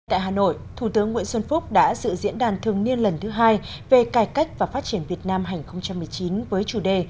tại hà nội thủ tướng nguyễn xuân phúc đã dự diễn đàn thường niên lần thứ hai về cải cách và phát triển việt nam hai nghìn một mươi chín với chủ đề